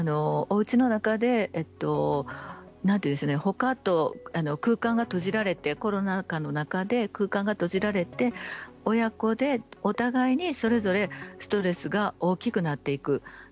おうちの中でほかと空間が閉じられてコロナ禍の中で空間が閉じられて親子でお互いにそれぞれストレスが大きくなっていく。